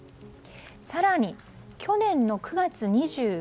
更に、去年の９月２９日